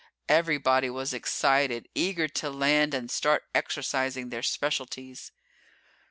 Everybody was excited, eager to land and start exercising their specialties.